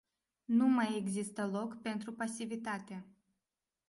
Nu mai există loc pentru pasivitate.